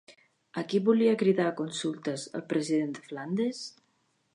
A qui volia cridar a consultes el president de Flandes?